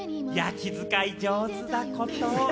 気遣い上手なこと！